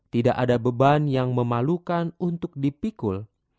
tidak ada beban yang memalukan untuk dipikul